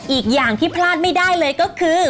อีกอย่างที่พลาดไม่ได้เลยก็คือ